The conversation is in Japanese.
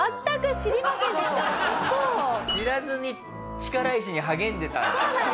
知らずに力石に励んでたんだ。